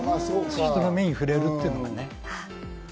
人の目に触れるっていうのがね。